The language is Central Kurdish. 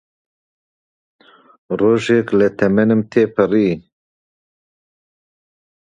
ڕۆژێک لە تەمەنم تێپەڕی